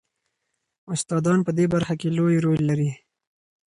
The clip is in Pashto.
استادان په دې برخه کې لوی رول لري.